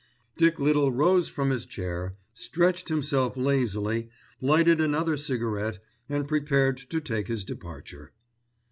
Dick Little rose from his chair, stretched himself lazily, lighted another cigarette and prepared to take his departure.